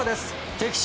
敵地